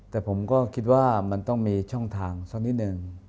แต่ผมก็คิดว่ามันต้องมีช่องทางสักนิดนึง